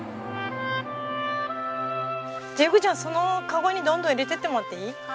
じゃあ陽子ちゃんそのカゴにどんどん入れていってもらっていい？